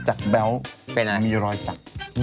จักรแบ๊วเป็นอะไรมีรอยจักร